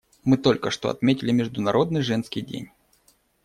Мы только что отметили Международный женский день.